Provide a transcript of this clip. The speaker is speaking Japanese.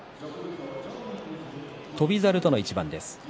翔猿との一番です。